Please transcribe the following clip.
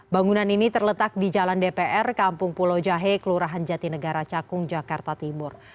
bangunan ini terletak di jalan dpr kampung pulau jahe kelurahan jatinegara cakung jakarta timur